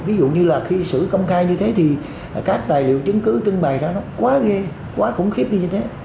ví dụ như là khi xử công khai như thế thì các tài liệu chứng cứ trưng bày ra nó quá ghê quá khủng khiếp như thế